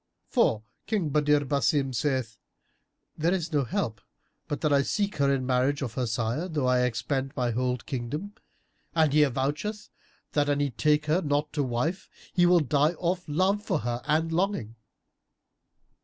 For King Badr Basim saith, 'There is no help but that I seek her in marriage of her sire, though I expend my whole kingdom'; and he avoucheth that, an he take her not to wife, he will die of love for her and longing."